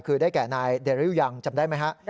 คือได้แก่นายเดริวยังจำได้ไหมฮะ